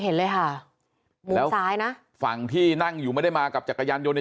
เห็นเลยค่ะมุมซ้ายนะฝั่งที่นั่งอยู่ไม่ได้มากับจักรยานยนต์